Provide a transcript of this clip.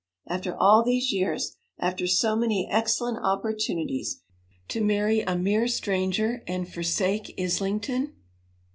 After all these years, after so many excellent opportunities, to marry a mere stranger and forsake Islington!